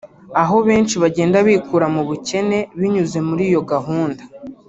aho benshi bagenda bikura mu bukene binyuze muri iyo gahunda